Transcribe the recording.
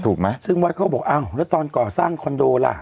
ถูกไหมซึ่งวัดเขาบอกอ้าวแล้วตอนก่อสร้างคอนโดล่ะ